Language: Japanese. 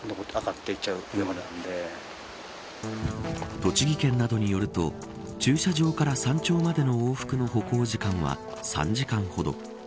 栃木県などによると駐車場から山頂までの往復の歩行時間は３時間ほど。